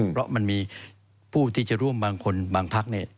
เพราะมันมีผู้ที่จะร่วมบางคนบางพักเนี่ย